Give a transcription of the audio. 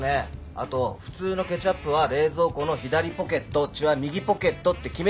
あと普通のケチャップは冷蔵庫の左ポケット血は右ポケットって決めたじゃん。